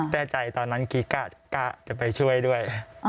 แต่ใจตอนนั้นกี้กะจะไปช่วยด้วย